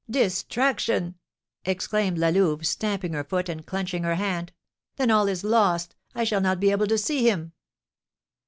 "Distraction!" exclaimed La Louve, stamping her foot and clenching her hand. "Then all is lost; I shall not be able to see him!"